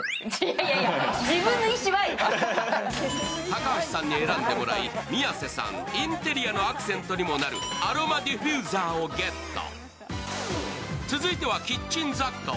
高橋さんに選んでもらい、宮世さん、インテリアのアクセントにもなるアロマデュフューザーをゲット。